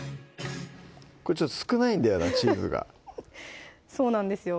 これちょっと少ないんだよなチーズがそうなんですよ